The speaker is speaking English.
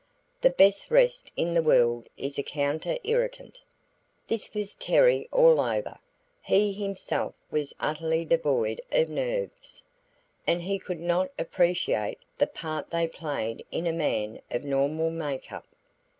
The best rest in the world is a counter irritant." This was Terry all over; he himself was utterly devoid of nerves, and he could not appreciate the part they played in a man of normal make up.